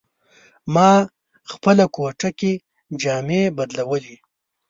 ما خپله کوټه کې جامې بدلولې.